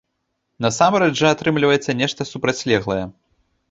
Насамрэч жа атрымліваецца нешта супрацьлеглае.